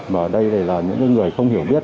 mà ở đây là những người không hiểu biết